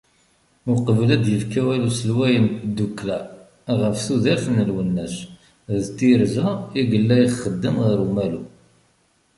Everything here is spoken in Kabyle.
Uqbel ad d-yefk awal uselway n tdukkla ɣef tudert n Lwennas d tirza i yella ixeddem ɣer umalu.